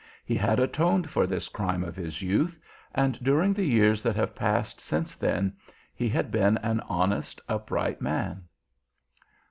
He had atoned for this crime of his youth, and during the years that have passed since then, he had been an honest, upright man."